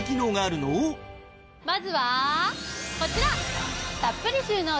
まずはこちら！